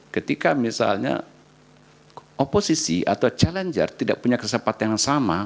ketika misalnya oposisi atau challenger tidak punya kesempatan yang sama